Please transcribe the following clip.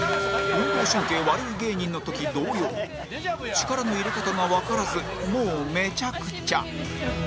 運動神経悪い芸人の時同様力の入れ方がわからずもうめちゃくちゃ